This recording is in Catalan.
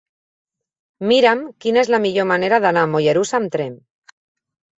Mira'm quina és la millor manera d'anar a Mollerussa amb tren.